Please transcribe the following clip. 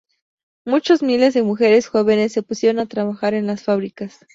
Muchos miles de mujeres jóvenes se pusieron a trabajar en las fábricas.